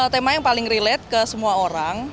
tema yang paling relate ke semua orang